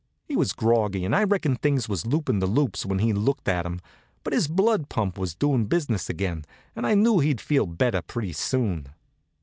He was groggy, and I reckon things was loopin' the loops when he looked at 'em; but his blood pump was doing business again, and I knew he'd feel better pretty soon.